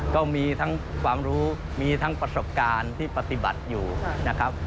ก็มีทั้งความรู้มีทั้งประสบการณ์ที่ปฏิบัติอยู่นะครับ